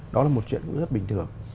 đó là một chuyện rất bình thường